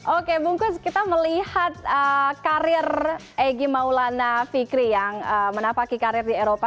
oke bungkus kita melihat karir egy maulana fikri yang menapaki karir di eropa